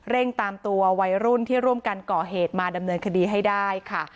ตามตัววัยรุ่นที่ร่วมกันก่อเหตุมาดำเนินคดีให้ได้ค่ะ